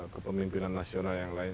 kepemimpinan nasional yang lain